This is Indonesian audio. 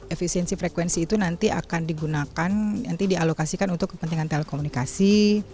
efisiensi frekuensi itu nanti akan digunakan nanti dialokasikan untuk kepentingan telekomunikasi